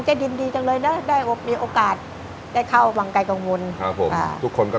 ยินดีจังเลยนะได้มีโอกาสได้เข้าวังไกลกังวลครับผมทุกคนก็